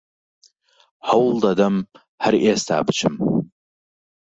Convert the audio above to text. هەوڵ دەدەم هەر ئێستا بچم